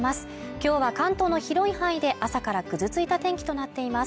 今日は関東の広い範囲で朝からぐずついた天気となっています